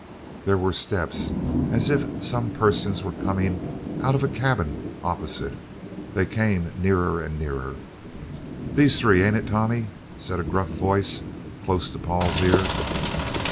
There were steps as if some persons were coming out of a cabin opposite they came nearer and nearer: "These three, ain't it, Tommy?" said a gruff voice, close to Paul's ear.